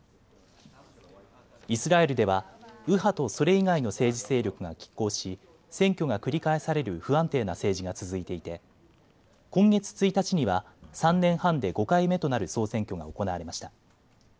イスラエルでは右派とそれ以外の政治勢力がきっ抗し選挙が繰り返される不安定な政治が続いていて今月１日には３年半で５回目となる総選挙が行われました。